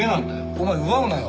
お前奪うなよ。